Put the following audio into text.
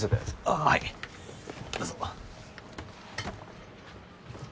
あっはいどうぞ。